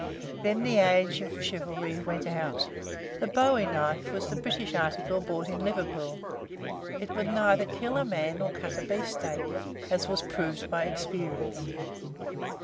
Then the age of chivalry went out. The bowie knife was the British article bought in Liverpool. It would neither kill a man nor cut a beef steak, as was proved by experience.